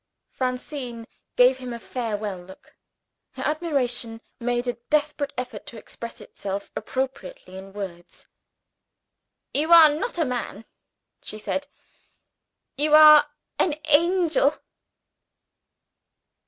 Francine gave him a farewell look. Her admiration made a desperate effort to express itself appropriately in words. "You are not a man," she said, "you are an angel!"